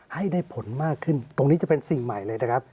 ให้ได้ผลมากขึ้นตรงนี้จะเป็นสิ่งใหม่เลยนะครับ